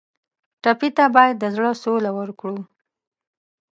ټپي ته باید د زړه سوله ورکړو.